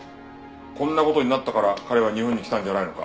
こんな事になったから彼は日本に来たんじゃないのか？